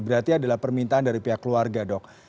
berarti adalah permintaan dari pihak keluarga dok